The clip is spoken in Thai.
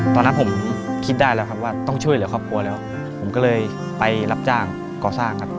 ตอนนั้นผมคิดได้แล้วครับว่าต้องช่วยเหลือครอบครัวแล้วผมก็เลยไปรับจ้างก่อสร้างครับ